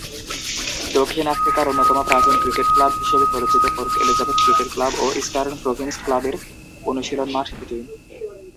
দক্ষিণ আফ্রিকার অন্যতম প্রাচীন ক্রিকেট ক্লাব হিসেবে পরিচিত পোর্ট এলিজাবেথ ক্রিকেট ক্লাব ও ইস্টার্ন প্রভিন্স ক্লাবের অনুশীলন মাঠ এটি।